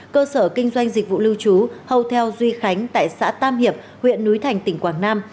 cơ sở kinh doanh dịch vụ lưu trú houthio duy khánh tại xã tam hiệp huyện núi thành tỉnh quảng nam